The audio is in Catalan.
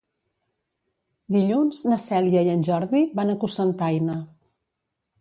Dilluns na Cèlia i en Jordi van a Cocentaina.